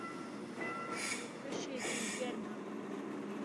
کەشێکی گەرمە.